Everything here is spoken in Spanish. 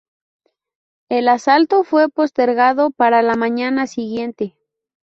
El asalto fue postergado para la mañana siguiente.